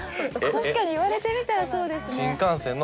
確かに言われてみたらそうですね。